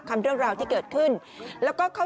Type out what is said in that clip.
แถมยังไม่ยอมกลับอ่ะ